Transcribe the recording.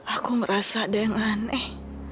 aku merasa ada yang aneh